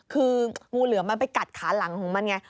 คืองูเหลือมมันไปกัดขาหลังของมันไง